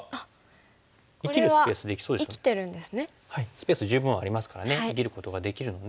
スペース十分ありますからね生きることができるので。